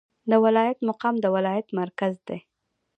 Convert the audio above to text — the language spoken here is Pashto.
د ولایت مقام د ولایت مرکز دی